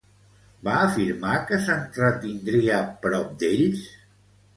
Va afirmar que s'entretindria prop d'ells?